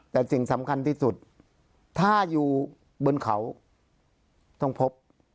แต่สิ่งสำคัญที่สุดถ้าอยู่บนเขาต้องพบ